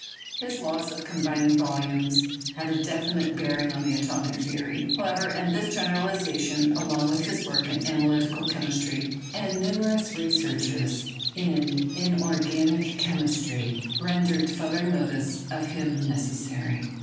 His law of combining volumes had a definite bearing on the atomic theory, however, and this generalization, along with his work in analytical chemistry and numerous researches in inorganic chemistry, render further notice of him necessary.